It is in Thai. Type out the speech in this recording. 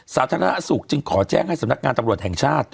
สาธารณสุขจึงขอแจ้งให้สำนักงานตำรวจแห่งชาติ